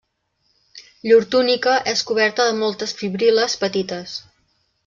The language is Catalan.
Llur túnica és coberta de moltes fibril·les petites.